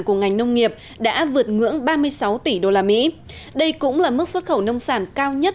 của ngành nông nghiệp đã vượt ngưỡng ba mươi sáu tỷ usd đây cũng là mức xuất khẩu nông sản cao nhất